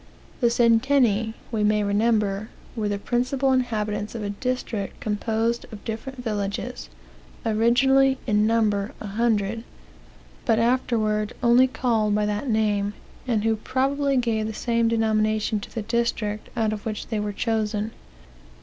The centeni, we may remember, were the principal inhabitants of a district composed of different villages, oriinally in number a hundred, but afterward only called by that name, and who probably gave the same denomination to the district out of which they were chosen.